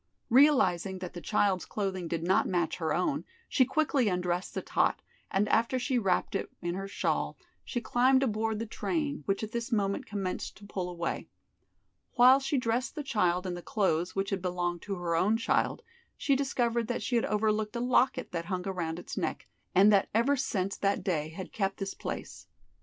Realizing that the child's clothing did not match her own, she quickly undressed the tot, and after she had wrapped it in her shawl she climbed aboard the train, which at this moment commenced to pull away. While she dressed the child in the clothes which had belonged to her own child, she discovered that she had overlooked a locket that hung around its neck, and that ever since that day had kept this place.